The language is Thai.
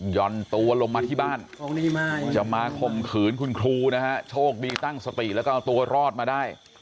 ่อนตัวลงมาที่บ้านจะมาข่มขืนคุณครูนะฮะโชคดีตั้งสติแล้วก็เอาตัวรอดมาได้